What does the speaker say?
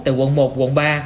tại quận một quận ba